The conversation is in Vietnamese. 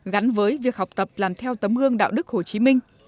gắn với việc học tập làm theo tấm gương đạo đức hồ chí minh